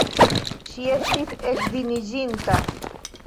Ŝi estis edziniĝinta!